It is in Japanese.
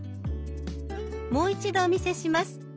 もう一度お見せします。